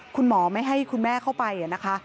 คุณหมอไม่ให้คุณแม่เข้าไปนะคะ